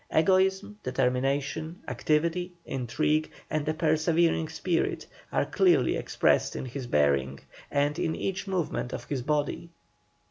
Egoism, determination, activity, intrigue, and a persevering spirit, are clearly expressed in his bearing, and in each movement of his body."